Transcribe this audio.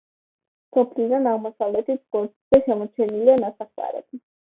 სოფლიდან აღმოსავლეთით, ბორცვზე, შემორჩენილია ნასახლარები.